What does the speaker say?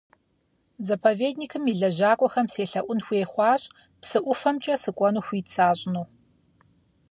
Заповедникым и лэжьакӀуэхэм селъэӀун хуей хъуащ, псы ӀуфэмкӀэ сыкӀуэну хуит сащӀыну.